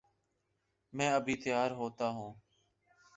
میں ابھی تیار ہو تاہوں